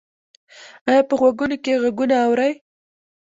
ایا په غوږونو کې غږونه اورئ؟